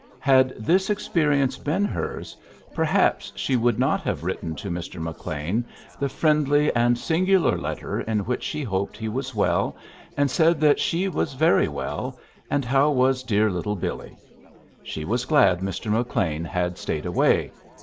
Had this experience been hers, perhaps she would not have written to Mr. McLean the friendly and singular letter in which she hoped he was well, and said that she was very well, and how was dear little Billy? She was glad Mr. McLean had stayed away.